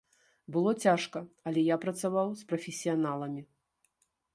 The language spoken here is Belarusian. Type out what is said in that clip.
Было цяжка, але я працаваў з прафесіяналамі.